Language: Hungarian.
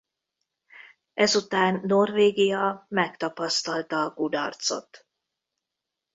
Ezután Norvégia megtapasztalta a kudarcot.